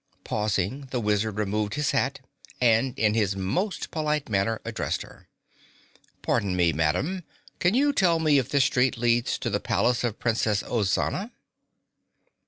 Pausing, the Wizard removed his hat and in his most polite manner addressed her. "Pardon me, Madame. Can you tell me if this street leads to the palace of Princess Ozana?"